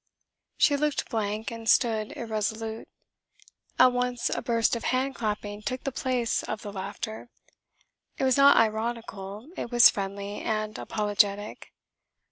She looked blank and stood irresolute. At once a burst of hand clapping took the place of the laughter. It was not ironical, it was friendly and apologetic.